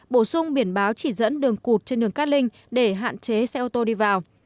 bổ sung biển báo chỉ dẫn đường cụt trên đường cát linh để hạn chế xe ô tô đi vào